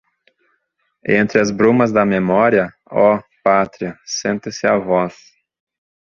Entre as brumas da memória, oh, pátria, sente-se a voz